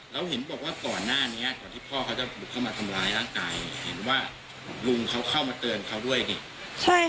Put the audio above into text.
แล้วเห็นบอกว่าก่อนหน้านี้ก่อนที่พ่อเขาจะบุกเข้ามาทำร้ายร่างกายเห็นว่าลุงเขาเข้ามาเตือนเขาด้วยนี่ใช่ค่ะ